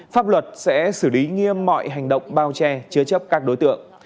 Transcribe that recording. pháp luật sẽ xử lý nghiêm mọi hành động bao che chứa chấp các đối tượng